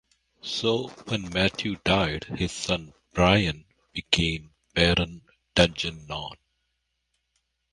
So when Matthew died, his son Brien became Baron Dungannon.